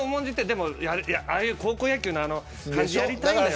でも、ああいう高校野球の感じやりたいんだみたいな。